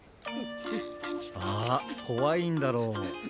あこわいんだろ？